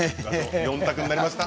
４択になりました。